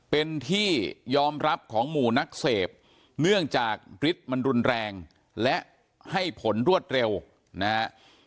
เป็นที่ยอมรับของหมู่นักเสพเนื่องจากฤทธิ์มันรุนแรงและให้ผลรวดเร็วนะฮะ